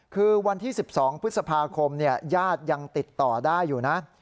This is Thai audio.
คือวันที่๑๒พฤษภาคมญาติยังติดต่อได้อยู่นะ